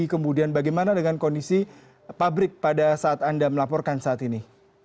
kemudian bagaimana dengan kondisi pabrik pada saat anda melaporkan saat ini